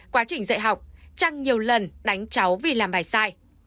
quá trình dạy học trang nhiều lần đánh cháu vì làm bài sai